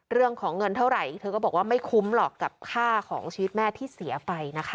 เรื่องของเงินเท่าไหร่เธอก็บอกว่าไม่คุ้มหรอกกับค่าของชีวิตแม่ที่เสียไปนะคะ